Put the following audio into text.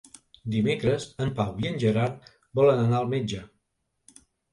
Dimecres en Pau i en Gerard volen anar al metge.